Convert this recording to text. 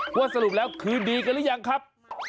พูดสรุปคือดีกันหรือยังครับ